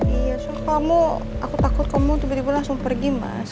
iya so kamu aku takut kamu tiba tiba langsung pergi mas